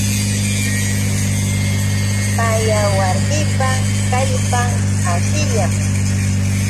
Paya warmipa kallpan ashllam.